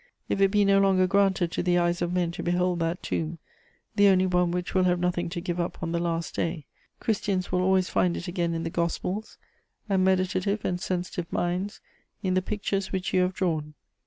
If it be no longer granted to the eyes of men to behold that Tomb, 'the only one which will have nothing to give up on the Last Day,' Christians will always find it again in the Gospels, and meditative and sensitive minds in the pictures which you have drawn.